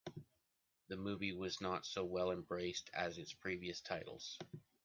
The movie was not so well-embraced as its previous titles.